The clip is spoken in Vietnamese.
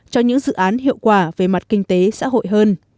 cho những dự án hiệu quả về mặt kinh tế xã hội hơn